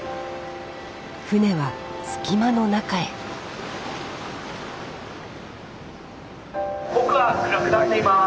船は隙間の中へ奥は暗くなっています。